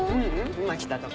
今来たとこ。